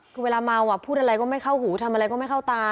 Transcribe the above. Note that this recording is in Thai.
คือเวลาเมาพูดอะไรก็ไม่เข้าหูทำอะไรก็ไม่เข้าตา